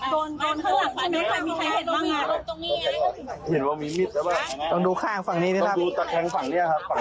โดนตัวถูกต้องดูข้างฝั่งนี้นะครับ